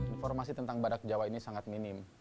informasi tentang badak jawa ini sangat minim